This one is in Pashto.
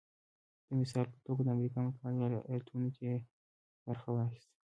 د مثال په توګه د امریکا متحده ایالتونو کې ایالتونو برخه واخیسته